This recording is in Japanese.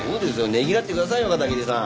ねぎらってくださいよ片桐さん。